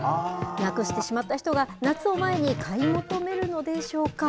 なくしてしまった人が夏を前に買い求めるのでしょうか。